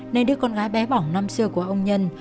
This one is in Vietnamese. nơi đứa con gái bé bỏng năm xưa của ông nhân